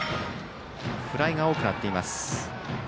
フライが多くなっています。